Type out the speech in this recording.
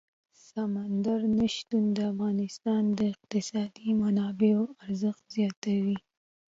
سمندر نه شتون د افغانستان د اقتصادي منابعو ارزښت زیاتوي.